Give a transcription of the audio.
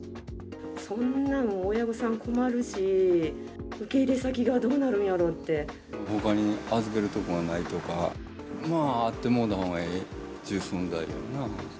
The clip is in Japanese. そんなん親御さん困るし、ほかに預けるとこがないとか、まああってもらったほうがええっていう存在だよな。